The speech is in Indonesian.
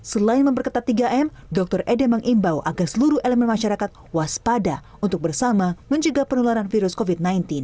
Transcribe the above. selain memperketat tiga m dr ede mengimbau agar seluruh elemen masyarakat waspada untuk bersama menjaga penularan virus covid sembilan belas